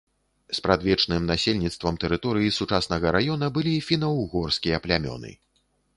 Спрадвечным насельніцтвам тэрыторыі сучаснага раёна былі фіна-ўгорскія плямёны.